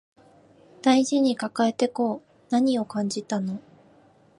大事に抱えてこう何を感じたの